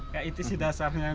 ya itu sih dasarnya